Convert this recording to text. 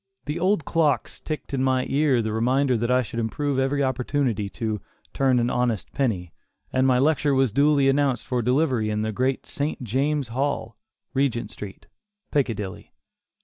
The old clocks ticked in my ear the reminder that I should improve every opportunity to "turn an honest penny," and my lecture was duly announced for delivery in the great St. James' Hall, Regent Street, Piccadilly.